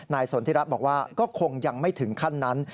สนทิรัฐบอกว่าก็คงยังไม่ถึงขั้นนั้น